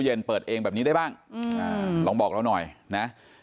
เย็นเปิดเองแบบนี้ได้บ้างอืมอ่าลองบอกเราหน่อยนะอ่า